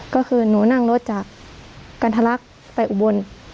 ก็คือหนูนั่งรถจากกันทะลักไปอุบล